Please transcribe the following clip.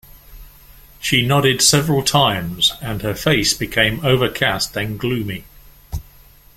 She nodded several times, and her face became overcast and gloomy.